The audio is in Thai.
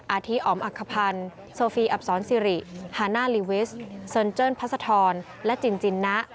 อาทิอ๋อมอักขพันธ์โซฟีอับสอนซิริฮาน่าลีวิสเซินเจิ้นพัศธรและจินจินนะ